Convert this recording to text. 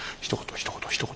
ひと言ひと言。